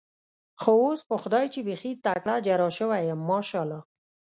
خو اوس په خدای چې بېخي تکړه جراح شوی یم، ماشاءالله.